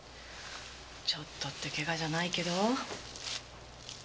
ちょっとってケガじゃないけど？